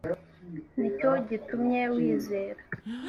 ni cyo gitumye wizera